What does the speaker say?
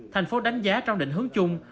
thành phố đánh giá trong định hướng chung